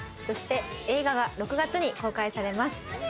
そして映画が６月に公開されます。